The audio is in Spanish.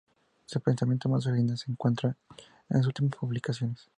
Su pensamiento más original se encuentra en sus últimas publicaciones.